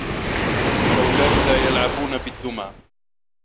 الأولاد لا يلعبون بالدّمى.